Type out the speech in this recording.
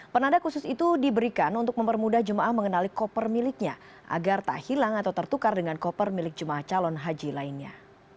penanda khusus itu diberikan untuk mempermudah jemaah mengenali koper miliknya agar tak hilang atau tertukar dengan koper milik jemaah calon haji lainnya